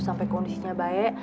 sampai kondisinya baik